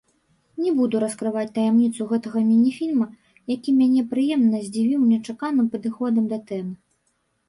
Не буду раскрываць таямніцу гэтага міні-фільма, які мяне прыемна здзівіў нечаканым падыходам да тэмы.